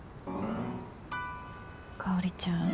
香ちゃん